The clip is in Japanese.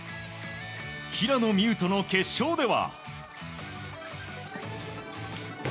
平野美宇との決勝では。